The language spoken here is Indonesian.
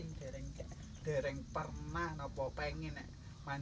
ia harus bergegas memasak menu berbuka puasa